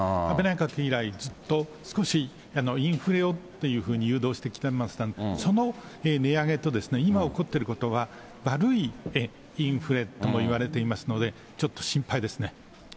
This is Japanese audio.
安倍内閣以来、ずっと、少しインフレをというふうに誘導してきましたので、その値上げと今起こってることは、悪いインフレともいわれていますので、ちょっと心配ですね。